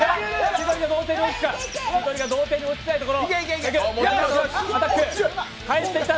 同点に追いつきたいところ！